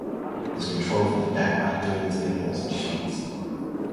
It is controlled from the deck by halliards, in-hauls and sheets.